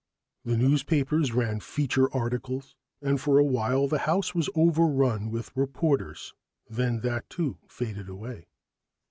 The newspapers ran feature articles, and for a while the house was overrun with reporters then that too faded away.